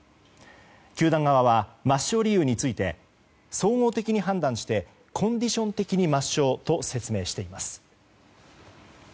球団側は、抹消理由について総合的に判断してコンディション的に抹消と説明しています。